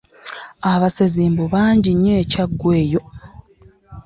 Abasezi mbu bangi nnyo e Kyaggwe eyo.